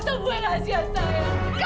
semua rahasia saya